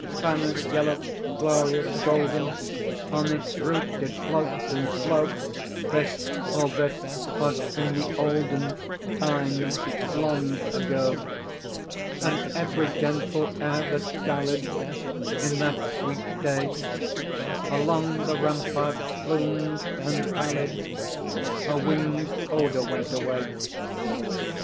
Banners yellow, glorious, golden, On its roof did float and flow; (This—all this—was in the olden Time long ago) And every gentle air that dallied, In that sweet day, Along the ramparts plumed and pallid, A winged odor went away.